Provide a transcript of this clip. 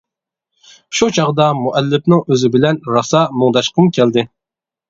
شۇ چاغدا مۇئەللىپنىڭ ئۆزى بىلەن راسا مۇڭداشقۇم كەلدى.